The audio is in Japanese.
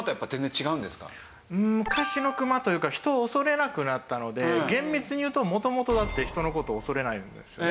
うーん昔のクマというか人を恐れなくなったので厳密に言うと元々だって人の事を恐れないんですよね。